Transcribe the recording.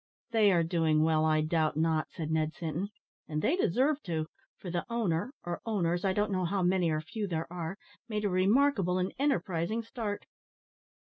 "They are doing well, I doubt not," said Ned Sinton; "and they deserve to, for the owner or owners, I don't know how many or few there are made a remarkable and enterprising start."